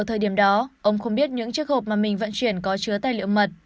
thời điểm đó ông không biết những chiếc hộp mà mình vận chuyển có chứa tài liệu mật